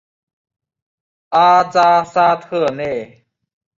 阿扎沙特内。